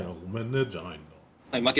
「ごめんね」じゃないんだ。